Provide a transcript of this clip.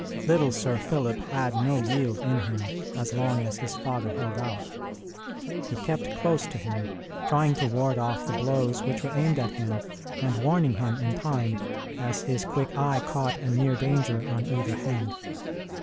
Little Sir Philip had no yield in him, as long as his father held out. He kept close to him, trying to ward off the blows which were aimed at him, and warning him in time, as his quick eye caught a near danger on either hand.